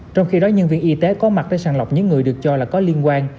trong khi đó nhân viên y tế có mặt để sàng lọc những người được cho là có liên quan